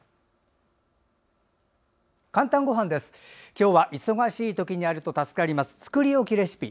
今日は忙しい時にあると助かる作り置きレシピ。